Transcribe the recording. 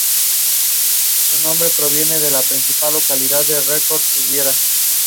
Its administrative centre was Kem.